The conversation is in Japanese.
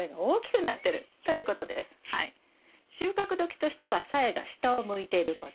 収穫時としてはさやが下を向いていること。